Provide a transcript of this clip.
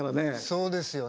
そうですよね。